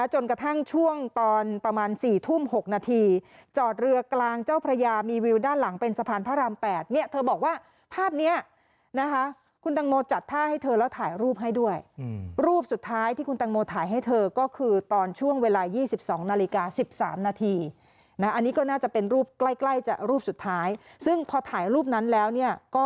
หกนาทีจอดเรือกลางเจ้าพระยามีวิวด้านหลังเป็นสะพานพระรามแปดเนี่ยเธอบอกว่าภาพเนี้ยนะคะคุณตังโมจัดท่าให้เธอแล้วถ่ายรูปให้ด้วยอืมรูปสุดท้ายที่คุณตังโมถ่ายให้เธอก็คือตอนช่วงเวลายี่สิบสองนาฬิกาสิบสามนาทีนะอันนี้ก็น่าจะเป็นรูปใกล้ใกล้จะรูปสุดท้ายซึ่งพอถ่ายรูปนั้นแล้วเ